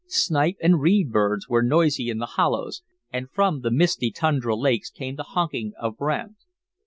Snipe and reed birds were noisy in the hollows and from the misty tundra lakes came the honking of brant.